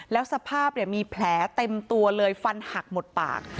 แล้วสภาพมีแผลเต็มตัวเลยฟันหักหมดปาก